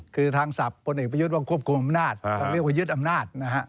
คือทางศัพท์พลเอกประยุทธ์ว่าควบคุมอำนาจเรียกว่ายึดอำนาจนะฮะ